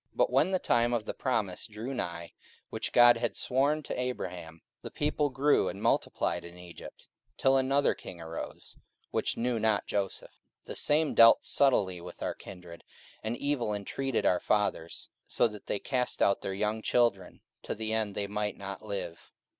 44:007:017 But when the time of the promise drew nigh, which God had sworn to Abraham, the people grew and multiplied in Egypt, 44:007:018 Till another king arose, which knew not Joseph. 44:007:019 The same dealt subtilly with our kindred, and evil entreated our fathers, so that they cast out their young children, to the end they might not live.